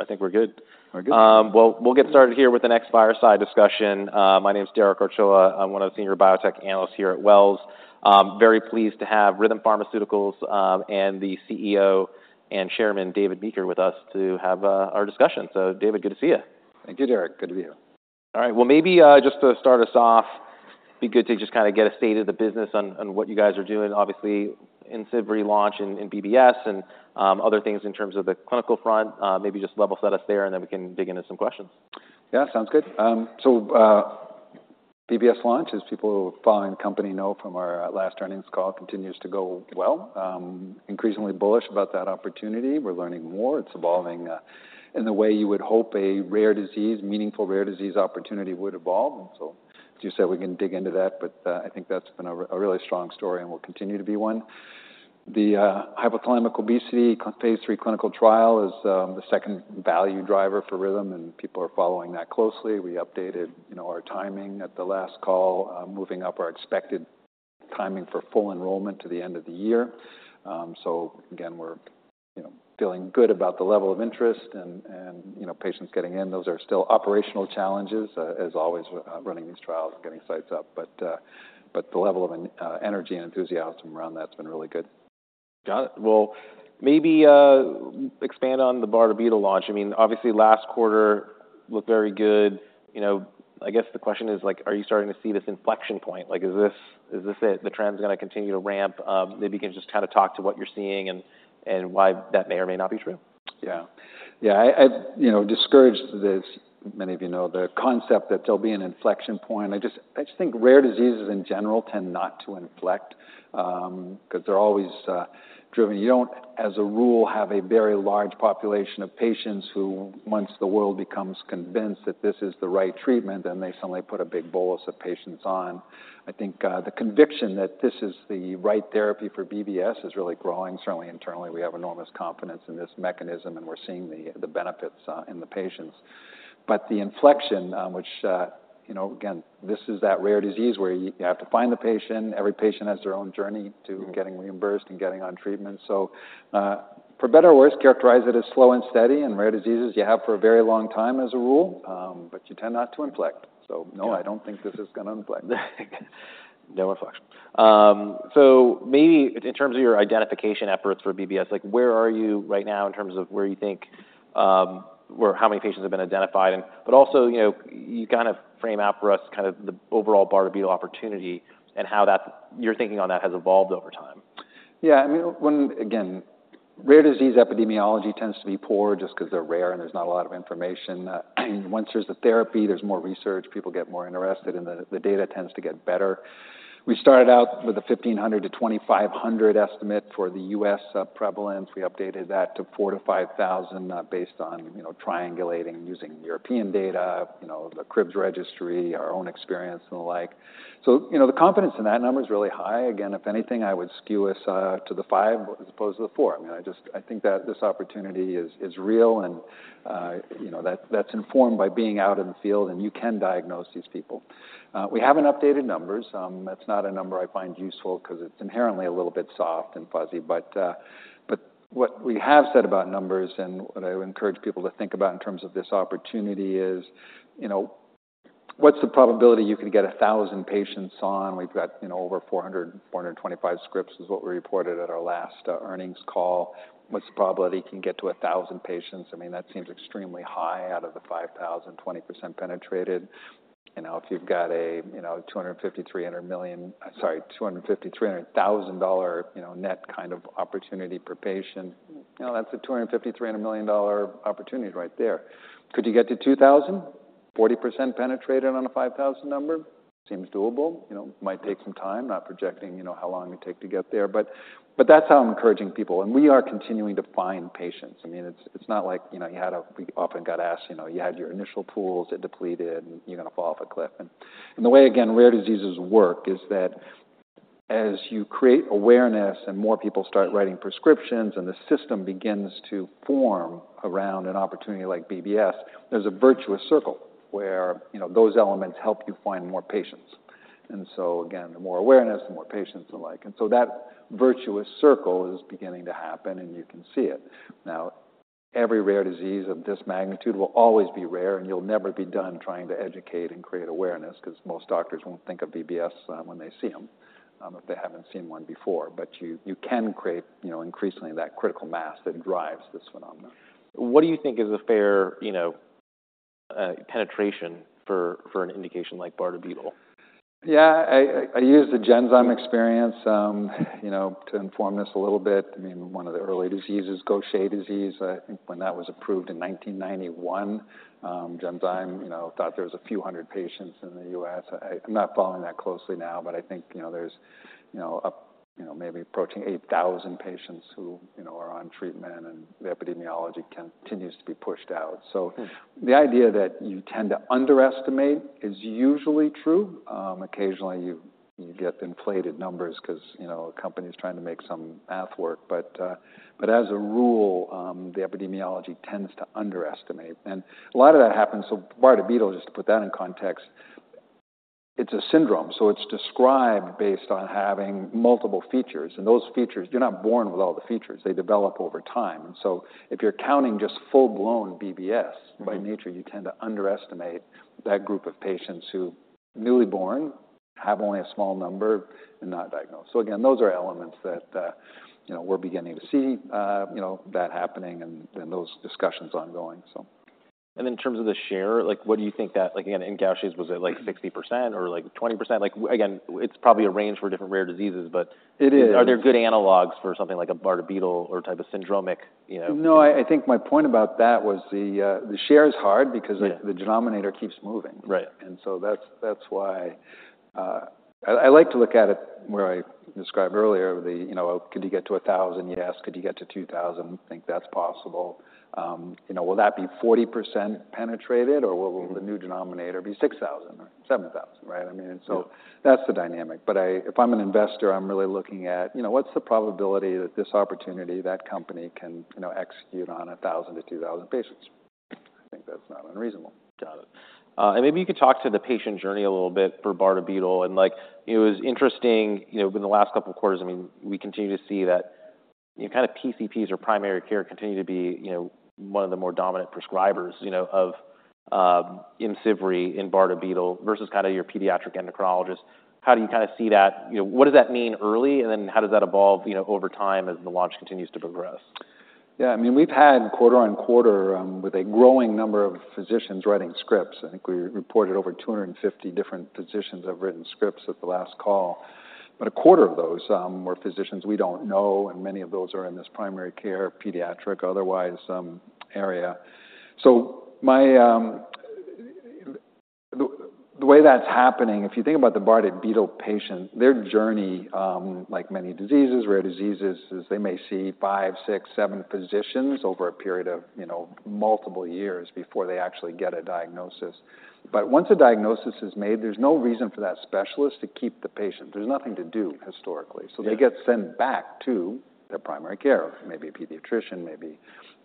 I think we're good. We're good. Well, we'll get started here with the next fireside discussion. My name is Derek Archila. I'm one of the senior biotech analysts here at Wells. Very pleased to have Rhythm Pharmaceuticals, and the CEO and Chairman, David Meeker, with us to have our discussion. So David, good to see you. Thank you, Derek. Good to be here. All right. Well, maybe, just to start us off, be good to just kind of get a state of the business and what you guys are doing, obviously, in Imcivree relaunch and in BBS and other things in terms of the clinical front. Maybe just level set us there, and then we can dig into some questions. Yeah, sounds good. So, BBS launch, as people who follow company know from our last earnings call, continues to go well. Increasingly bullish about that opportunity. We're learning more. It's evolving in the way you would hope a rare disease, meaningful rare disease opportunity would evolve. So as you said, we can dig into that, but I think that's been a really strong story and will continue to be one. Hypothalamic obesity phase III clinical trial is the second value driver for Rhythm, and people are following that closely. We updated, you know, our timing at the last call, moving up our expected timing for full enrollment to the end of the year. So again, we're, you know, feeling good about the level of interest and, you know, patients getting in. Those are still operational challenges, as always, running these trials and getting sites up, but the level of energy and enthusiasm around that's been really good. Got it. Well, maybe, expand on the Bardet-Biedl launch. I mean, obviously, last quarter looked very good. You know, I guess the question is, like, are you starting to see this inflection point? Like, is this, is this it, the trend is gonna continue to ramp up? Maybe you can just kind of talk to what you're seeing and, and why that may or may not be true. Yeah. Yeah. I, I, you know, discourage this. Many of you know, the concept that there'll be an inflection point. I just, I just think rare diseases in general tend not to inflect, you know, 'cause they're always, driven. You don't, as a rule, have a very large population of patients who, once the world becomes convinced that this is the right treatment, then they suddenly put a big bolus of patients on. I think, you know, the conviction that this is the right therapy for BBS is really growing. Certainly, internally, we have enormous confidence in this mechanism, and we're seeing the, the benefits, in the patients. The inflection, you know, again, this is that rare disease where you, you have to find the patient. Every patient has their own journey to getting reimbursed and getting on treatment. So, for better or worse, characterize it as slow and steady, and rare diseases you have for a very long time as a rule, but you tend not to inflect. Yeah. No, I don't think this is gonna inflect. So maybe in terms of your identification efforts for BBS, like, where are you right now in terms of where you think, or how many patients have been identified? And but also, you know, you kind of frame out for us kind of the overall Bardet-Biedl opportunity and how that's... Your thinking on that has evolved over time. Yeah. I mean, when, again, rare disease epidemiology tends to be poor just 'cause they're rare and there's not a lot of information. Once there's a therapy, there's more research, people get more interested, and the data tends to get better. We started out with a 1,500-2,500 estimate for the U.S. prevalence. We updated that to 4,000-5,000 based on triangulating using European data, you know, the CRIBBS registry, our own experience, and the like. So, you know, the confidence in that number is really high. Again, if anything, I would skew us to the five as opposed to the four. I mean, I just think that this opportunity is real and, you know, that's informed by being out in the field, and you can diagnose these people. We haven't updated numbers. That's not a number I find useful 'cause it's inherently a little bit soft and fuzzy. But what we have said about numbers and what I would encourage people to think about in terms of this opportunity is, you know, what's the probability you can get 1,000 patients on? We've got, you know, over 400, 425 scripts is what we reported at our last earnings call. What's the probability can get to 1,000 patients? I mean, that seems extremely high out of the 5,000, 20% penetrated. You know, if you've got a, you know, $250 million-$300 million, $250,000-$300,000, you know, net kind of opportunity per patient, you know, that's a $250 million-$300 million opportunity right there. Could you get to 2000? 40% penetrated on a 5000 number seems doable. You know, it might take some time, not projecting, you know, how long it takes to get there, but, but that's how I'm encouraging people, and we are continuing to find patients. I mean, it's, it's not like, you know, we often got asked, you know, you had your initial pools, it depleted, and you're gonna fall off a cliff. And the way, again, rare diseases work is that as you create awareness and more people start writing prescriptions, and the system begins to form around an opportunity like BBS, there's a virtuous circle where, you know, those elements help you find more patients. And so again, the more awareness, the more patients alike. And so that virtuous circle is beginning to happen, and you can see it. Now, every rare disease of this magnitude will always be rare, and you'll never be done trying to educate and create awareness 'cause most doctors won't think of BBS when they see them if they haven't seen one before. But you, you can create, you know, increasingly that critical mass that drives this phenomenon. What do you think is a fair, you know, penetration for an indication like Bardet-Biedl? Yeah, I use the Genzyme experience, you know, to inform this a little bit. I mean, one of the early diseases, Gaucher disease, I think when that was approved in 1991, Genzyme, you know, thought there was a few hundred patients in the U.S. I'm not following that closely now, but I think, you know, there's, you know, maybe approaching 8,000 patients who, you know, are on treatment, and the epidemiology continues to be pushed out. So- Hmm. The idea that you tend to underestimate is usually true. Occasionally, you get inflated numbers 'cause, you know, a company's trying to make some math work. But as a rule, the epidemiology tends to underestimate, and a lot of that happens. So Bardet-Biedl, just to put that in context. It's a syndrome, so it's described based on having multiple features, and those features, you're not born with all the features. They develop over time. And so if you're counting just full-blown BBS, by nature, you tend to underestimate that group of patients who, newly born, have only a small number and not diagnosed. So again, those are elements that, you know, we're beginning to see that happening and those discussions ongoing, so. In terms of the share, like, what do you think that—like, again, in Gaucher's, was it, like, 60% or, like, 20%? Like, again, it's probably a range for different rare diseases, but- It is. Are there good analogs for something like a Bardet-Biedl or type of syndromic, you know? No, I think my point about that was the share is hard- Yeah... because the denominator keeps moving. Right. And so that's, that's why, I like to look at it where I described earlier, you know, could you get to 1,000? Yes. Could you get to 2,000? I think that's possible. You know, will that be 40% penetrated, or will the new denominator be 6,000 or 7,000, right? I mean, and so- Yeah... that's the dynamic. But if I'm an investor, I'm really looking at, you know, what's the probability that this opportunity, that company can, you know, execute on 1,000-2,000 patients? I think that's not unreasonable. Got it. And maybe you could talk to the patient journey a little bit for Bardet-Biedl, and like, it was interesting, you know, in the last couple of quarters, I mean, we continue to see that kind of PCPs or primary care continue to be, you know, one of the more dominant prescribers, you know, of, in Imcivree, in Bardet-Biedl, versus kind of your pediatric endocrinologist. How do you kind of see that? You know, what does that mean early, and then how does that evolve, you know, over time as the launch continues to progress? Yeah, I mean, we've had quarter-over-quarter, with a growing number of physicians writing scripts. I think we reported over 250 different physicians have written scripts at the last call, but a quarter of those, were physicians we don't know, and many of those are in this primary care, pediatric, otherwise, area. So my the, the way that's happening, if you think about the Bardet-Biedl patient, their journey, like many diseases, rare diseases, is they may see five, six, seven physicians over a period of, you know, multiple years before they actually get a diagnosis. But once a diagnosis is made, there's no reason for that specialist to keep the patient. There's nothing to do historically. Yeah. So they get sent back to their primary care, maybe a pediatrician, maybe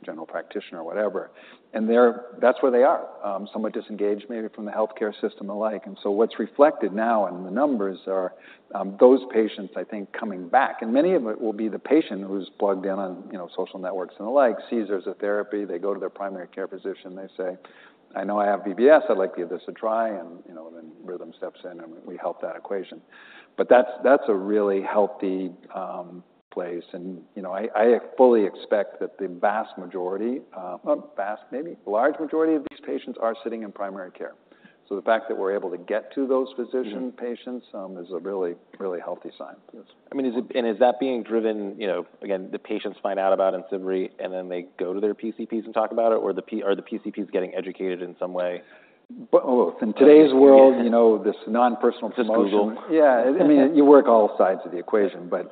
general practitioner, or whatever. And they're, that's where they are, somewhat disengaged, maybe from the healthcare system alike. And so what's reflected now in the numbers are those patients, I think, coming back, and many of it will be the patient who's plugged in on, you know, social networks and the like, sees there's a therapy, they go to their primary care physician, they say, "I know I have BBS, I'd like to give this a try." And, you know, then Rhythm steps in, and we help that equation. But that's, that's a really healthy place, and, you know, I, I fully expect that the vast majority, not vast, maybe large majority of these patients are sitting in primary care. So the fact that we're able to get to those physician patients. Mm-hmm. Is a really, really healthy sign. Yes. I mean, is it... And is that being driven, you know, again, the patients find out about Imcivree, and then they go to their PCPs and talk about it, or the PCP is getting educated in some way? Well, in today's world, you know, this non-personal promotion. Yeah. I mean, you work all sides of the equation, but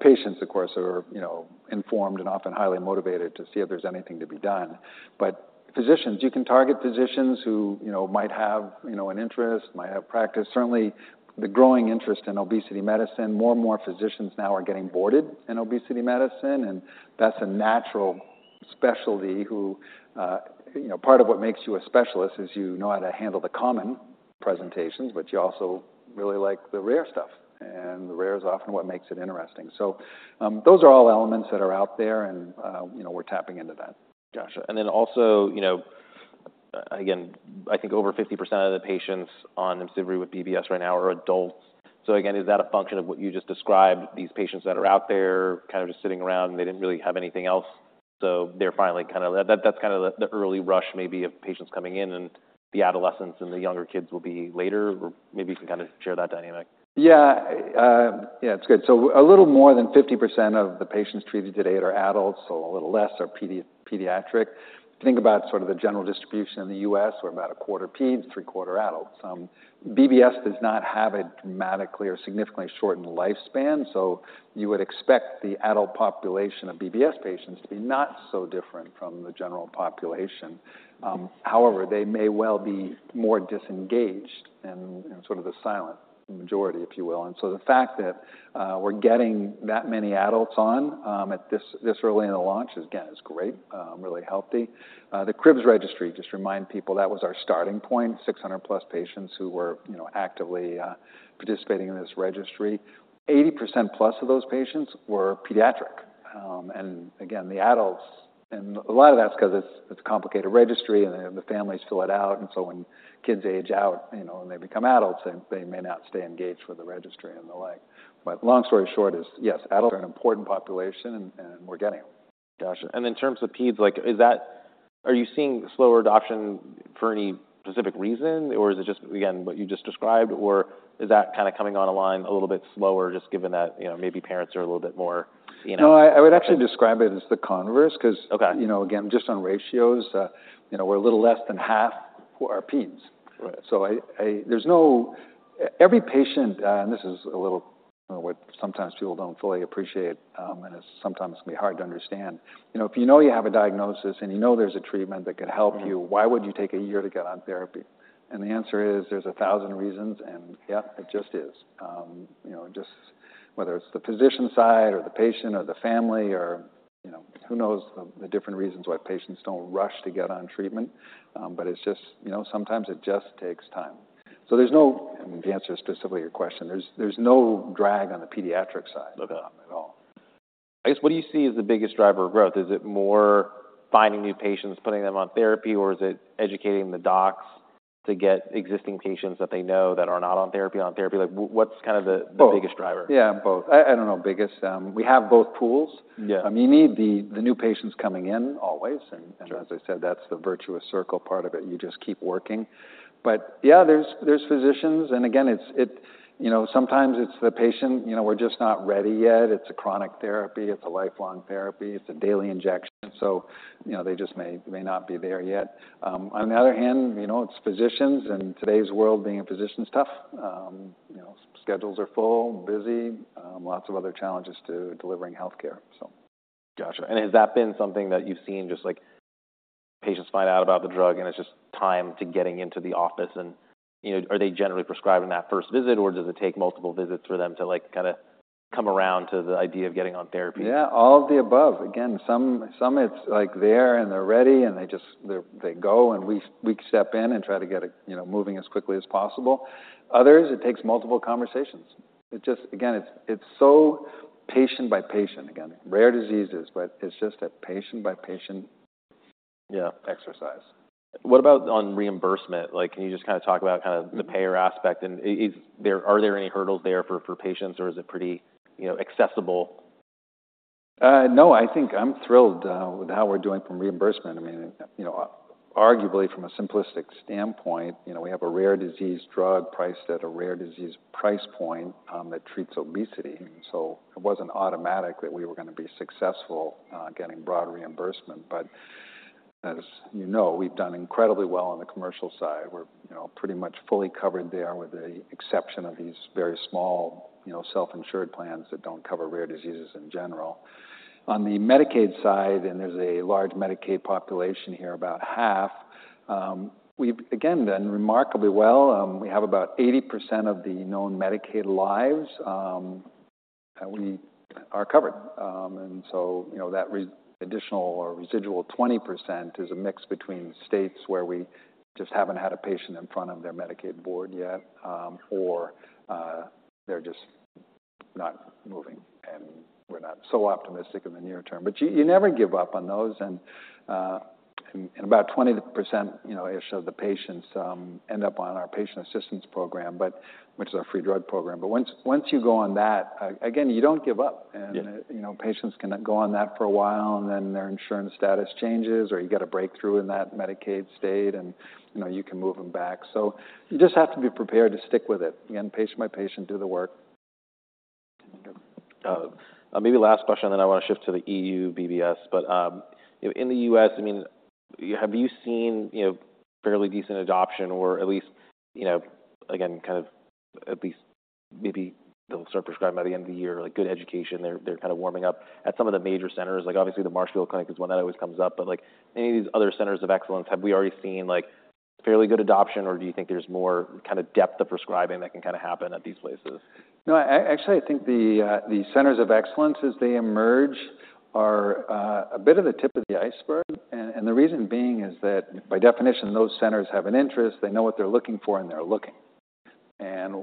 patients, of course, are, you know, informed and often highly motivated to see if there's anything to be done. But physicians, you can target physicians who, you know, might have, you know, an interest, might have practice. Certainly, the growing interest in obesity medicine, more and more physicians now are getting boarded in obesity medicine, and that's a natural specialty who. You know, part of what makes you a specialist is you know how to handle the common presentations, but you also really like the rare stuff, and the rare is often what makes it interesting. So, those are all elements that are out there, and, you know, we're tapping into that. Got you. Then also, you know, again, I think over 50% of the patients on Imcivree with BBS right now are adults. So again, is that a function of what you just described, these patients that are out there, kind of just sitting around and they didn't really have anything else, so they're finally kind of, that's kind of the early rush, maybe of patients coming in, and the adolescents and the younger kids will be later? Or maybe you can kind of share that dynamic. Yeah. Yeah, it's good. So a little more than 50% of the patients treated today are adults, so a little less are pediatric. Think about sort of the general distribution in the U.S., where about a quarter peds, three-quarter adults. BBS does not have a dramatically or significantly shortened lifespan, so you would expect the adult population of BBS patients to be not so different from the general population. However, they may well be more disengaged and sort of the silent majority, if you will. So the fact that we're getting that many adults on at this early in the launch is, again, great, really healthy. The CRIBBS registry, just remind people, that was our starting point, 600+ patients who were, you know, actively participating in this registry. 80%+ of those patients were pediatric. And again, the adults, and a lot of that's 'cause it's a complicated registry, and the families fill it out, and so when kids age out, you know, and they become adults, they may not stay engaged with the registry and the like. But long story short is, yes, adults are an important population, and we're getting them. Got you. And in terms of peds, like, is that... Are you seeing slower adoption for any specific reason, or is it just, again, what you just described, or is that kind of coming online a little bit slower, just given that, you know, maybe parents are a little bit more, you know- No, I would actually describe it as the converse, 'cause- Okay... you know, again, just on ratios, you know, we're a little less than half who are peds. Right. Every patient, and this is a little what sometimes people don't fully appreciate, and it's sometimes can be hard to understand. You know, if you know you have a diagnosis and you know there's a treatment that could help you. Mm-hmm. Why would you take a year to get on therapy? The answer is: there's a thousand reasons, and yep, it just is. You know, just—whether it's the physician side or the patient or the family or, you know, who knows the different reasons why patients don't rush to get on treatment. You know, sometimes it just takes time. To answer specifically your question, there's no drag on the pediatric side at all. I guess, what do you see as the biggest driver of growth? Is it more finding new patients, putting them on therapy, or is it educating the docs to get existing patients that they know that are not on therapy on therapy? Like, what's kind of the- Both. -biggest driver? Yeah, both. I don't know, biggest. We have both pools. Yeah. You need the new patients coming in always, and- Sure... as I said, that's the virtuous circle part of it, you just keep working. But yeah, there's physicians, and again, it's you know, sometimes it's the patient, you know, we're just not ready yet. It's a chronic therapy. It's a lifelong therapy. It's a daily injection. So, you know, they just may not be there yet. On the other hand, you know, it's physicians, in today's world, being a physician is tough. You know, schedules are full, busy, lots of other challenges to delivering healthcare, so. Gotcha. And has that been something that you've seen, just like patients find out about the drug, and it's just time to getting into the office? And, you know, are they generally prescribing that first visit, or does it take multiple visits for them to, like, kind of come around to the idea of getting on therapy? Yeah, all of the above. Again, some it's like they're ready, and they go, and we step in and try to get it, you know, moving as quickly as possible. Others, it takes multiple conversations. It just, again, it's so patient by patient. Again, rare diseases, but it's just a patient-by-patient- Yeah -exercise. What about on reimbursement? Like, can you just kind of talk about kind of the payer aspect, and is there... are there any hurdles there for patients, or is it pretty, you know, accessible? No, I think I'm thrilled with how we're doing from reimbursement. I mean, you know, arguably from a simplistic standpoint, you know, we have a rare disease drug priced at a rare disease price point that treats obesity. So it wasn't automatic that we were going to be successful getting broad reimbursement. But as you know, we've done incredibly well on the commercial side. We're, you know, pretty much fully covered there, with the exception of these very small, you know, self-insured plans that don't cover rare diseases in general. On the Medicaid side, and there's a large Medicaid population here, about half, we've again done remarkably well. We have about 80% of the known Medicaid lives that we are covered. And so, you know, that additional or residual 20% is a mix between states where we just haven't had a patient in front of their Medicaid board yet, or they're just not moving, and we're not so optimistic in the near term. But you, you never give up on those, and and about 20%, you know,-ish, of the patients end up on our patient assistance program, but which is our free drug program. But once, once you go on that, again, you don't give up. Yeah. You know, patients can go on that for a while, and then their insurance status changes, or you get a breakthrough in that Medicaid state and, you know, you can move them back. So you just have to be prepared to stick with it. Again, patient by patient, do the work. Maybe last question, then I want to shift to the EU BBS. But, you know, in the U.S., I mean, have you seen, you know, fairly decent adoption or at least, you know, again, kind of at least maybe they'll start prescribing by the end of the year, like good education, they're kind of warming up at some of the major centers. Like, obviously, the Marshfield Clinic is one that always comes up. But like, any of these other centers of excellence, have we already seen, like, fairly good adoption, or do you think there's more kind of depth of prescribing that can kind of happen at these places? No, actually, I think the centers of excellence as they emerge are a bit of the tip of the iceberg. And the reason being is that, by definition, those centers have an interest, they know what they're looking for, and they're looking. And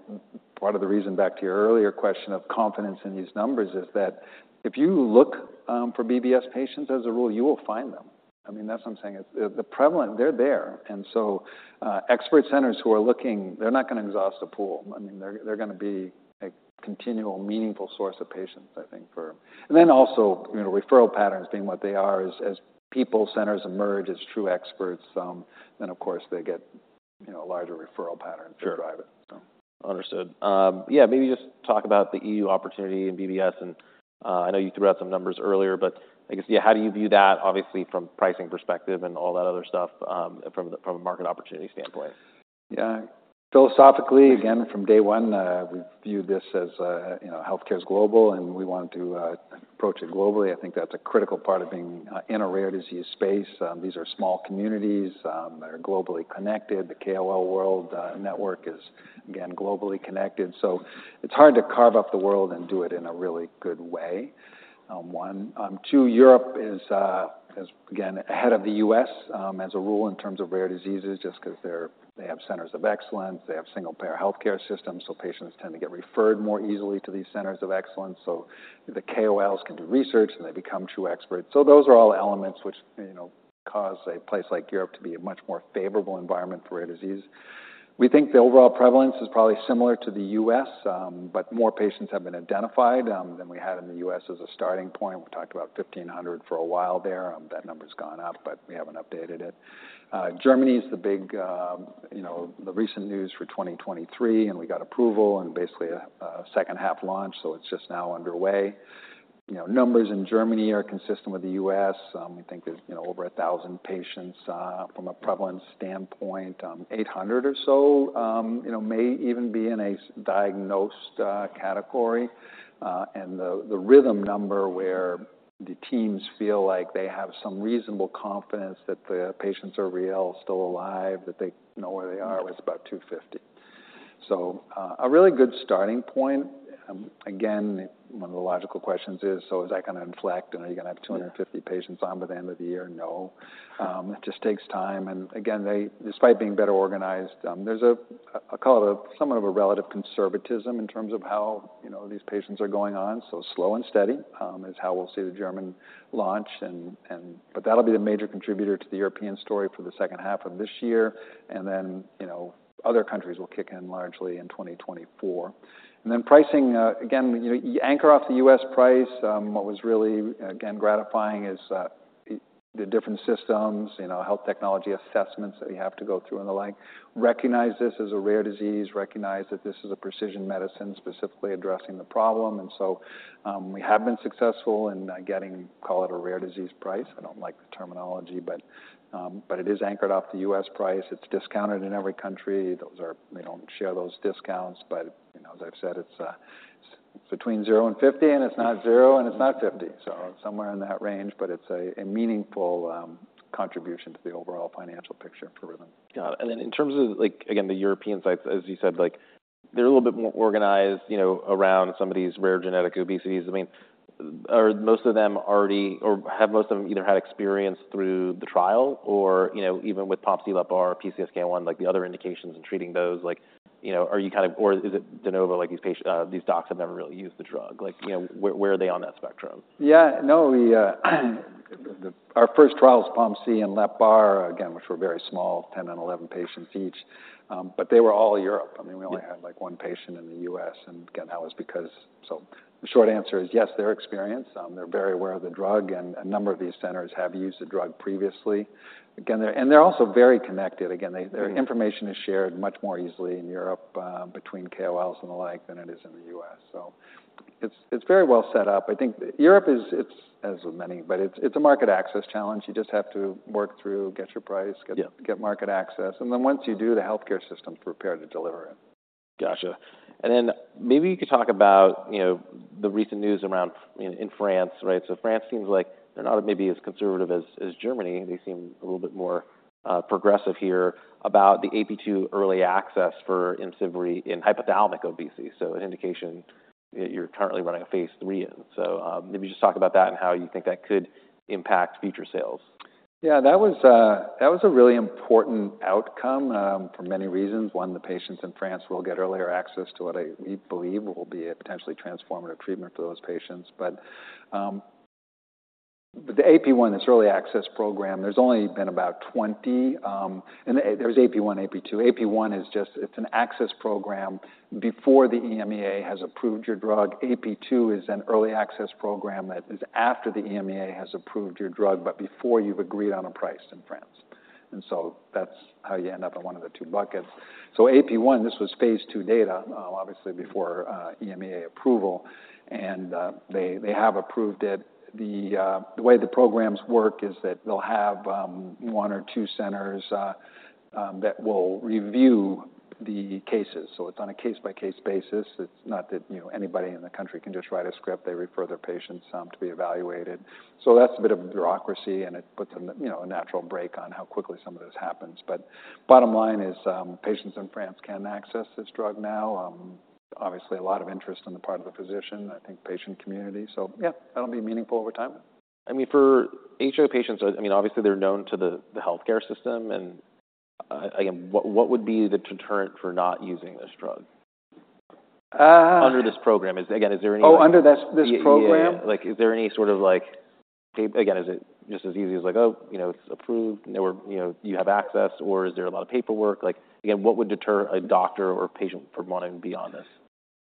part of the reason, back to your earlier question of confidence in these numbers, is that if you look for BBS patients as a rule, you will find them. I mean, that's what I'm saying. It's the prevalent... They're there. And so expert centers who are looking, they're not going to exhaust the pool. I mean, they're going to be a continual, meaningful source of patients, I think, for... And then also, you know, referral patterns being what they are, as centers emerge as true experts, then, of course, they get, you know, a larger referral pattern- Sure to drive it. So. Understood. Yeah, maybe just talk about the EU opportunity in BBS, and I know you threw out some numbers earlier, but I guess, yeah, how do you view that, obviously from pricing perspective and all that other stuff, from a market opportunity standpoint? Yeah. Philosophically, again, from day one, we viewed this as, you know, healthcare's global, and we want to approach it globally. I think that's a critical part of being in a rare disease space. These are small communities that are globally connected. The KOL world network is, again, globally connected, so it's hard to carve up the world and do it in a really good way, one. Two, Europe is, again, ahead of the U.S., as a rule, in terms of rare diseases, just because they have centers of excellence, they have single-payer healthcare systems, so patients tend to get referred more easily to these centers of excellence. So the KOLs can do research, and they become true experts. So those are all elements which, you know, cause a place like Europe to be a much more favorable environment for rare disease. We think the overall prevalence is probably similar to the U.S., but more patients have been identified than we had in the U.S. as a starting point. We talked about 1,500 for a while there. That number's gone up, but we haven't updated it. Germany is the big, you know, the recent news for 2023, and we got approval and basically a second-half launch, so it's just now underway. You know, numbers in Germany are consistent with the U.S. We think there's, you know, over 1,000 patients from a prevalence standpoint. 800 or so, you know, may even be in a diagnosed category. And the Rhythm number, where the teams feel like they have some reasonable confidence that the patients are real, still alive, that they know where they are, was about 250. So, a really good starting point, again, one of the logical questions is, so is that going to inflect? And are you going to have 250 patients on by the end of the year? No. Yeah. It just takes time. And again, they, despite being better organized, there's a, I call it a somewhat of a relative conservatism in terms of how, you know, these patients are going on. So slow and steady is how we'll see the German launch. But that'll be the major contributor to the European story for the second half of this year. And then, you know, other countries will kick in largely in 2024. And then pricing, again, you know, you anchor off the U.S. price. What was really, again, gratifying is the different systems, you know, health technology assessments that you have to go through and the like, recognize this as a rare disease, recognize that this is a precision medicine specifically addressing the problem. And so, we have been successful in getting, call it a rare disease price. I don't like the terminology, but it is anchored off the U.S. price. It's discounted in every country. Those are—we don't share those discounts, but, you know, as I've said, it's between zero and 50, and it's not zero, and it's not 50. So somewhere in that range, but it's a meaningful contribution to the overall financial picture for Rhythm. Got it. And then in terms of like, again, the European sites, as you said, like, they're a little bit more organized, you know, around some of these rare genetic obesities. I mean, are most of them already... or have most of them either had experience through the trial or, you know, even with POMC, LEPR, PCSK1, like the other indications in treating those? Like, you know, are you kind of, or is it de novo, like these docs have never really used the drug? Like, you know, where, where are they on that spectrum? Yeah. No, our first trials, POMC and LEPR, again, which were very small, 10 and 11 patients each, but they were all Europe. Yeah. I mean, we only had, like, one patient in the U.S., and again, that was because... So the short answer is yes, they're experienced. They're very aware of the drug, and a number of these centers have used the drug previously. Again, they're also very connected. Again, they- Mm-hmm. Their information is shared much more easily in Europe, between KOLs and the like, than it is in the U.S. So it's very well set up. I think Europe is. It's as with many, but it's a market access challenge. You just have to work through, get your price- Yeah... get market access, and then once you do, the healthcare system's prepared to deliver it. Gotcha. And then maybe you could talk about, you know, the recent news around in France, right? So France seems like they're not maybe as conservative as Germany. They seem a little bit more progressive here about the AP two early access for Imcivree in hypothalamic obesity. So an indication that you're currently running a phase III in. So, maybe just talk about that and how you think that could impact future sales. Yeah, that was a, that was a really important outcome, for many reasons. One, the patients in France will get earlier access to what I-- we believe will be a potentially transformative treatment for those patients. But, the AP one, this early access program, there's only been about 20, and there's AP one, AP two. AP one is just-- it's an access program before the EMEA has approved your drug. AP two is an early access program that is after the EMEA has approved your drug, but before you've agreed on a price in France. And so that's how you end up in one of the two buckets. So AP one, this was phase II data, obviously before, EMEA approval, and, they, they have approved it. The way the programs work is that they'll have one or two centers that will review the cases. So it's on a case-by-case basis. It's not that, you know, anybody in the country can just write a script. They refer their patients to be evaluated. So that's a bit of bureaucracy, and it puts a, you know, a natural break on how quickly some of this happens. But bottom -ine is, patients in France can access this drug now. Obviously, a lot of interest on the part of the physician, I think, patient community. So yeah, that'll be meaningful over time. I mean, for HO patients, I mean, obviously, they're known to the healthcare system, and again, what would be the deterrent for not using this drug? Uh. Under this program, is there any- Oh, under this, this program? Yeah, yeah. Like, is there any sort of like again, is it just as easy as like, oh, you know, it's approved, or, you know, you have access, or is there a lot of paperwork? Like, again, what would deter a doctor or patient from wanting to be on this?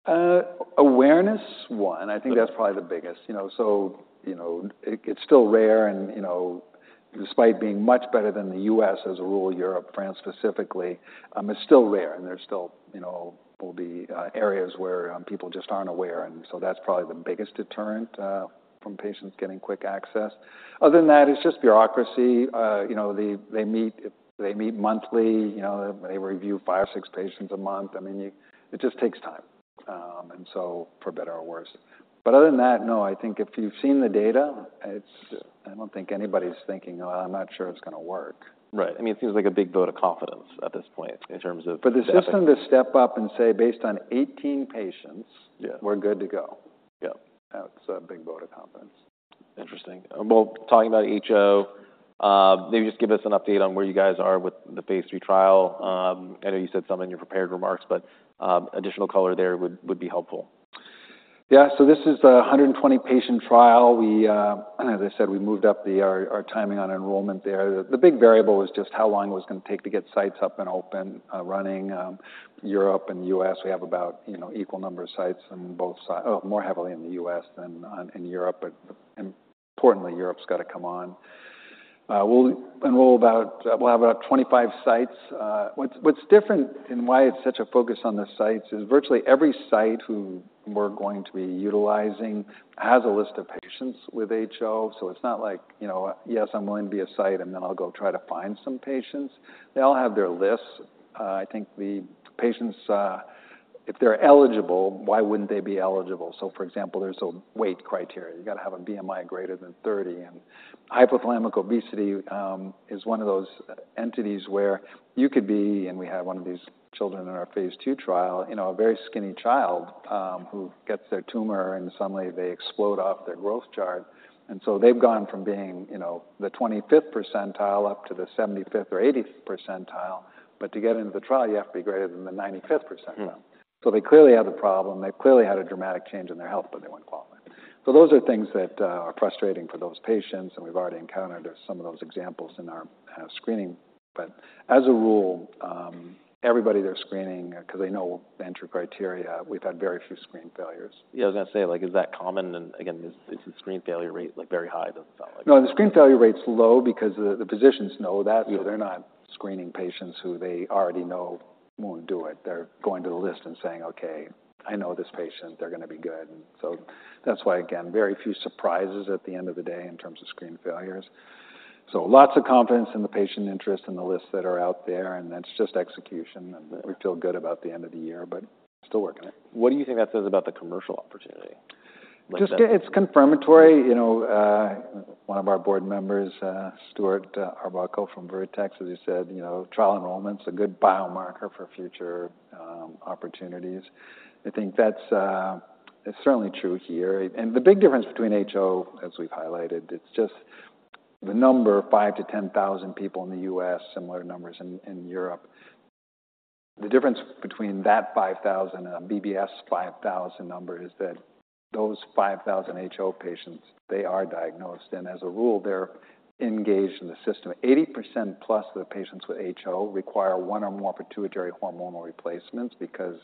Awareness, one, I think- Okay... that's probably the biggest. You know, so, you know, it's still rare and, you know, despite being much better than the U.S., as a rule, Europe, France specifically, is still rare, and there still, you know, will be areas where people just aren't aware, and so that's probably the biggest deterrent from patients getting quick access. Other than that, it's just bureaucracy. You know, they meet monthly. You know, they review five or six patients a month. I mean, it just takes time, and so for better or worse. But other than that, no, I think if you've seen the data, it's... I don't think anybody's thinking, "Oh, I'm not sure it's gonna work. Right. I mean, it seems like a big vote of confidence at this point in terms of- For the system to step up and say, "Based on 18 patients- Yeah - We're good to go. Yeah. That's a big vote of confidence. Interesting. Well, talking about HO, maybe just give us an update on where you guys are with the phase III trial. I know you said some in your prepared remarks, but, additional color there would be helpful. Yeah. So this is a 120-patient trial. We, as I said, we moved up our timing on enrollment there. The big variable was just how long it was going to take to get sites up and open, running. Europe and U.S., we have about, you know, equal number of sites on both sides, more heavily in the U.S. than in Europe, but importantly, Europe's got to come on. We'll have about 25 sites. What's different and why it's such a focus on the sites is virtually every site who we're going to be utilizing has a list of patients with HO. So it's not like, you know, "Yes, I'm willing to be a site, and then I'll go try to find some patients." They all have their lists. I think the patients', if they're eligible, why wouldn't they be eligible? So, for example, there's a weight criteria. You've got to have a BMI greater than 30, and hypothalamic obesity is one of those entities where you could be, and we have one of these children in our phase II trial, you know, a very skinny child who gets their tumor and suddenly they explode off their growth chart. And so they've gone from being, you know, the 25th percentile up to the 75th or 80th percentile. But to get into the trial, you have to be greater than the 95th percentile. Hmm. So they clearly have the problem. They've clearly had a dramatic change in their health, but they wouldn't qualify. So those are things that are frustrating for those patients, and we've already encountered some of those examples in our screening. But as a rule, everybody they're screening 'cause they know the entry criteria, we've had very few screen failures. Yeah, I was going to say, like, is that common? Again, is the screen failure rate, like, very high? It doesn't sound like it. No, the screen failure rate's low because the physicians know that. Yeah. So they're not screening patients who they already know won't do it. They're going to the list and saying, "Okay, I know this patient. They're going to be good." So that's why, again, very few surprises at the end of the day in terms of screen failures. So lots of confidence in the patient interest and the lists that are out there, and it's just execution. Yeah. We feel good about the end of the year, but still working it. What do you think that says about the commercial opportunity? Like just- Just it's confirmatory. You know, one of our board members, Stuart Arbuckle from Vertex, as you said, you know, trial enrollment's a good biomarker for future opportunities. I think that's, that's certainly true here. And the big difference between HO, as we've highlighted, it's just the number, 5,000-10,000 people in the U.S., similar numbers in Europe. The difference between that 5,000 and a BBS 5,000 number is that those 5,000 HO patients, they are diagnosed, and as a rule, they're engaged in the system. 80%+ of the patients with HO require one or more pituitary hormonal replacements because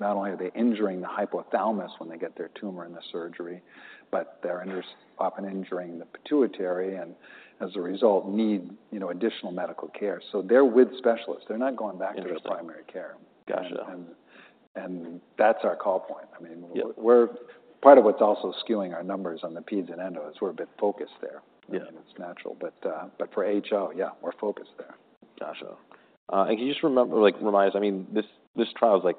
not only are they injuring the hypothalamus when they get their tumor in the surgery, but they're often injuring the pituitary and, as a result, need, you know, additional medical care. So they're with specialists. They're not going back- Interesting. to primary care. Gotcha. That's our call point. Yeah. I mean, part of what's also skewing our numbers on the Peds and ENDO is we're a bit focused there. Yeah. It's natural, but, but for HO, yeah, we're focused there. Gotcha. And can you just remember, like, remind us, I mean, this, this trial is, like,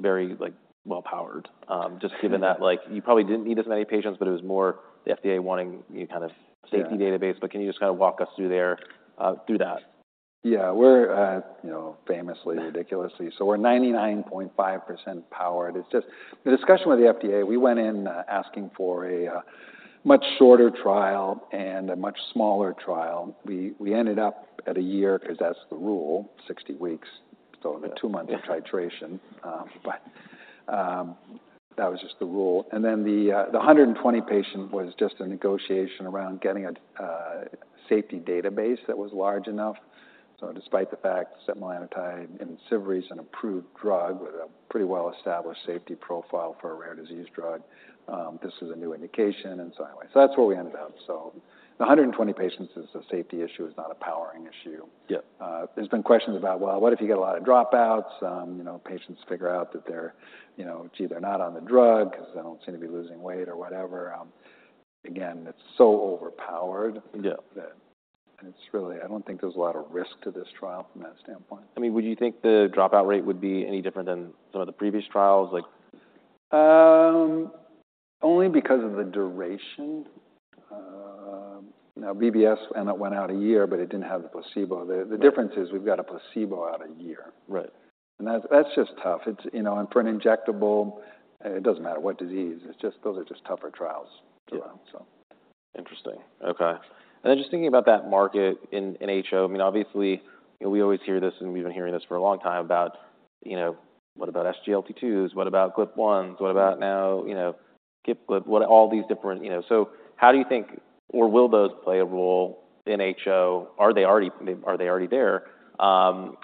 very, like, well-powered. Just- Hmm Given that, like, you probably didn't need as many patients, but it was more the FDA wanting you to have a- Yeah safety database. But can you just kind of walk us through there, through that? Yeah, we're, you know, famously, ridiculously. So we're 99.5% powered. It's just the discussion with the FDA, we went in asking for a, much shorter trial and a much smaller trial. We ended up at a year 'cause that's the rule, 60 weeks, so- Yeah Two months of titration. But that was just the rule. And then the 120 patient was just a negotiation around getting a safety database that was large enough. So despite the fact that setmelanotide, Imcivree, is an approved drug with a pretty well-established safety profile for a rare disease drug, this is a new indication, and so anyway. So that's where we ended up. So the 120 patients is a safety issue, it's not a powering issue. Yeah. There's been questions about, well, what if you get a lot of dropouts? You know, patients figure out that they're, you know, gee, they're not on the drug 'cause they don't seem to be losing weight or whatever. Again, it's so overpowered. Yeah. That it's really... I don't think there's a lot of risk to this trial from that standpoint. I mean, would you think the dropout rate would be any different than some of the previous trials like? Only because of the duration. Now, BBS went out a year, but it didn't have the placebo. Right. The difference is we've got a placebo out a year. Right. And that, that's just tough. It's, you know, and for an injectable, it doesn't matter what disease, it's just, those are just tougher trials. Yeah. So. Interesting. Okay. And then just thinking about that market in HO, I mean, obviously, we always hear this, and we've been hearing this for a long time about, you know, what about SGLT2s? What about GLP-1s? Mm-hmm. What about now, you know, GIP/GLP-1, what all these different, you know... So how do you think, or will those play a role in HO? Are they already, are they already there? And,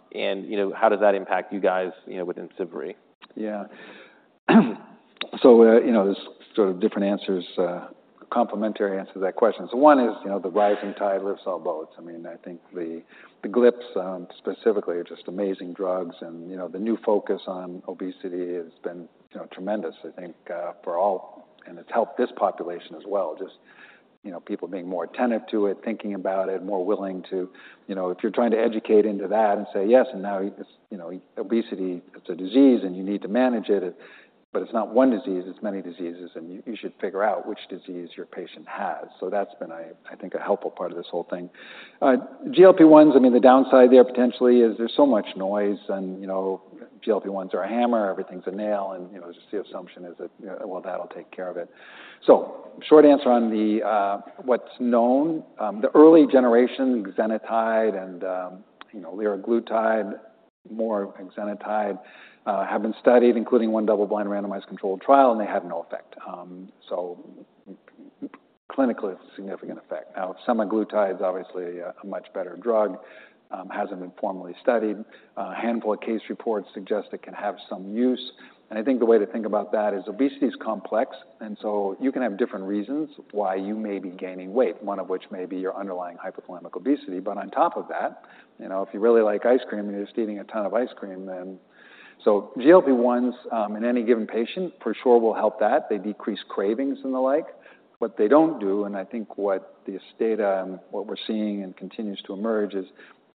you know, how does that impact you guys, you know, within Imcivree? Yeah. So, you know, there's sort of different answers, complementary answers to that question. So one is, you know, the rising tide lifts all boats. I mean, I think the GLPs specifically are just amazing drugs and, you know, the new focus on obesity has been, you know, tremendous, I think, for all, and it's helped this population as well, just, you know, people being more attentive to it, thinking about it, more willing to... You know, if you're trying to educate into that and say, "Yes, and now, you know, obesity, it's a disease, and you need to manage it, but it's not one disease, it's many diseases, and you should figure out which disease your patient has." So that's been a, I think, a helpful part of this whole thing. GLP-1s, I mean, the downside there potentially is there's so much noise and, you know, GLP-1s are a hammer, everything's a nail, and, you know, the assumption is that, "Well, that'll take care of it." So short answer on the, what's known, the early-generation, exenatide and, you know, liraglutide, more exenatide, have been studied, including one double-blind, randomized, controlled trial, and they had no effect. So clinically, it's a significant effect. Now, setmelanotide is obviously a, a much better drug, hasn't been formally studied. A handful of case reports suggest it can have some use. And I think the way to think about that is obesity is complex, and so you can have different reasons why you may be gaining weight, one of which may be your underlying hypothalamic obesity. But on top of that, you know, if you really like ice cream and you're just eating a ton of ice cream, then... So GLP-1s, in any given patient, for sure, will help that. They decrease cravings and the like. What they don't do, and I think what the data and what we're seeing and continues to emerge, is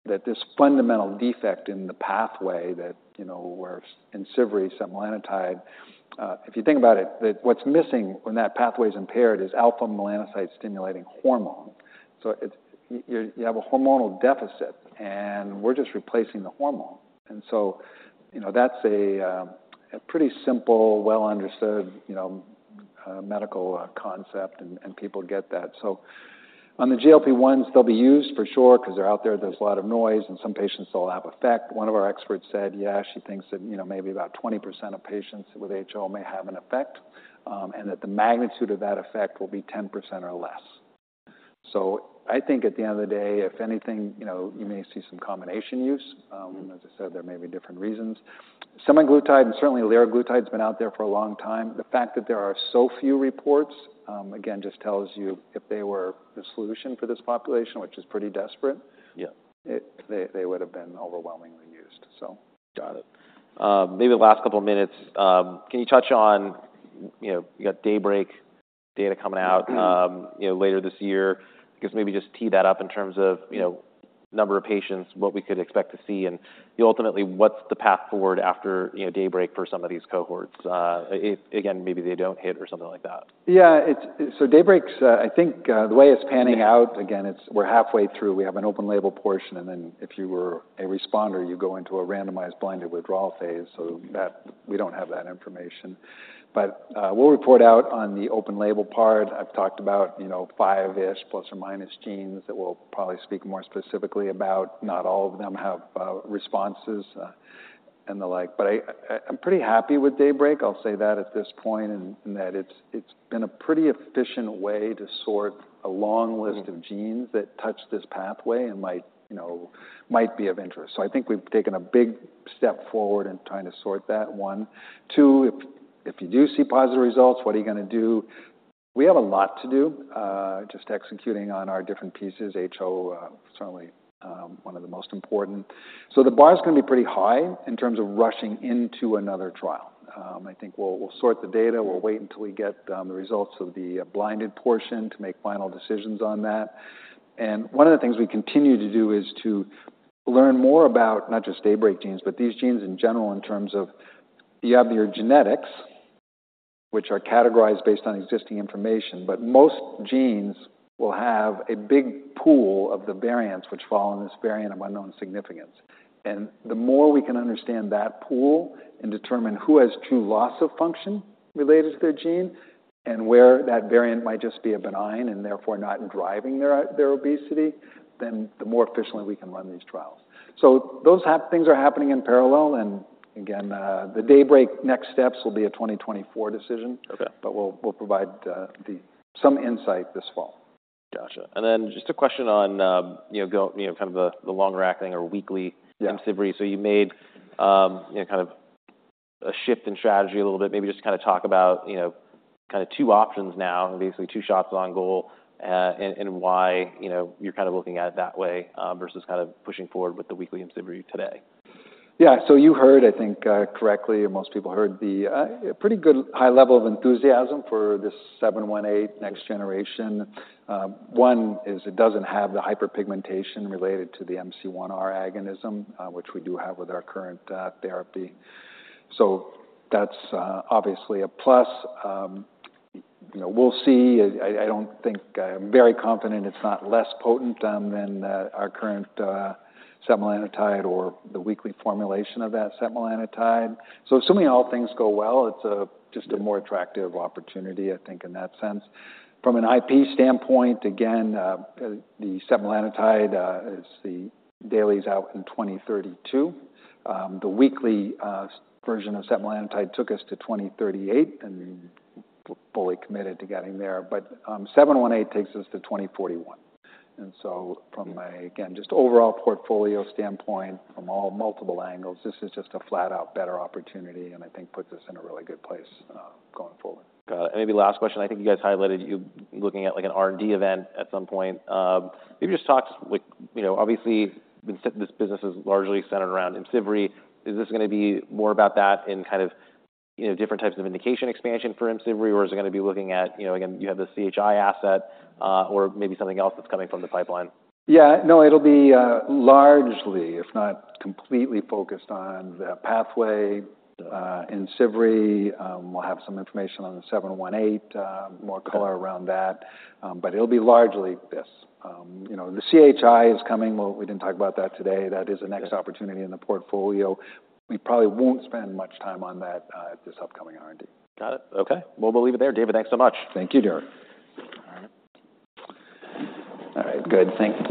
that this fundamental defect in the pathway that, you know, where in Imcivree, setmelanotide, if you think about it, that what's missing when that pathway is impaired is alpha melanocyte-stimulating hormone.... So it's, you, you have a hormonal deficit, and we're just replacing the hormone. And so, you know, that's a, a pretty simple, well-understood, you know, medical, concept, and, and people get that. So on the GLP-1s, they'll be used for sure 'cause they're out there. There's a lot of noise, and some patients will have effect. One of our experts said, yeah, she thinks that, you know, maybe about 20% of patients with HO may have an effect, and that the magnitude of that effect will be 10% or less. So I think at the end of the day, if anything, you know, you may see some combination use. Mm-hmm. As I said, there may be different reasons. Semaglutide and certainly liraglutide has been out there for a long time. The fact that there are so few reports, again, just tells you if they were the solution for this population, which is pretty desperate- Yeah they would have been overwhelmingly used, so. Got it. Maybe the last couple of minutes, can you touch on, you know, Dou got DAYBREAK data coming out? Mm-hmm... you know, later this year? I guess maybe just tee that up in terms of, you know- Yeah - number of patients, what we could expect to see, and ultimately, what's the path forward after, you know, DAYBREAK for some of these cohorts? If, again, maybe they don't hit or something like that. Yeah, it's so DAYBREAK, I think, the way it's panning out. Again, it's we're halfway through. We have an open-label portion, and then if you were a responder, you go into a randomized, blinded withdrawal phase so that we don't have that information. But we'll report out on the open label part. I've talked about, you know, five-ish plus or minus genes that we'll probably speak more specifically about. Not all of them have responses and the like, but I'm pretty happy with DAYBREAK. I'll say that at this point, and that it's been a pretty efficient way to sort a long list. Mm-hmm of genes that touch this pathway and might, you know, might be of interest. So I think we've taken a big step forward in trying to sort that, one. Two, if you do see positive results, what are you going to do? We have a lot to do, just executing on our different pieces. HO, certainly, one of the most important. So the bar is going to be pretty high in terms of rushing into another trial. I think we'll sort the data. Mm-hmm. We'll wait until we get the results of the blinded portion to make final decisions on that. And one of the things we continue to do is to learn more about not just DAYBREAK genes, but these genes in general, in terms of you have your genetics, which are categorized based on existing information, but most genes will have a big pool of the variants which fall in this variant of unknown significance. And the more we can understand that pool and determine who has true loss-of-function related to their gene and where that variant might just be a benign and therefore not driving their, their obesity, then the more efficiently we can run these trials. So those have things are happening in parallel, and again, the DAYBREAK next steps will be a 2024 decision. Okay. We'll provide some insight this fall. Gotcha. And then just a question on, you know, kind of the long-acting or weekly- Yeah Imcivree. So you made, you know, kind of a shift in strategy a little bit. Maybe just kind of talk about, you know, kind of two options now, basically two shots on goal, and why, you know, you're kind of looking at it that way, versus kind of pushing forward with the weekly Imcivree today. Yeah. So you heard, I think, correctly, and most people heard the pretty good high level of enthusiasm for this 718 next-generation. One is it doesn't have the hyperpigmentation related to the MC1R agonism, which we do have with our current therapy. So that's obviously a plus. You know, we'll see. I don't think I'm very confident it's not less potent than our current semaglutide or the weekly formulation of that semaglutide. So assuming all things go well, it's a just a more attractive opportunity, I think, in that sense. From an IP standpoint, again, the semaglutide is the daily's out in 2032. The weekly version of semaglutide took us to 2038, and we're fully committed to getting there. But, 718 takes us to 2041. And so from a, again, just overall portfolio standpoint, from all multiple angles, this is just a flat-out better opportunity and I think puts us in a really good place, going forward. Maybe last question. I think you guys highlighted you looking at like an R&D event at some point. Maybe just talk, like, you know, obviously, this business is largely centered around Imcivree. Is this going to be more about that in kind of, you know, different types of indication expansion for Imcivree, or is it going to be looking at, you know, again, you have the CHI asset, or maybe something else that's coming from the pipeline? Yeah. No, it'll be largely, if not completely focused on the pathway in Imcivree. We'll have some information on the 718. Okay more color around that, but it'll be largely this. You know, the CHI is coming. Well, we didn't talk about that today. Yeah. That is the next opportunity in the portfolio. We probably won't spend much time on that, at this upcoming R&D. Got it. Okay, well, we'll leave it there. David, thanks so much. Thank you, Derek. All right. All right, good. Thank you.